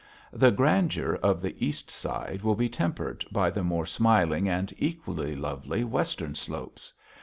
The grandeur of the east side will be tempered by the more smiling and equally lovely western slopes.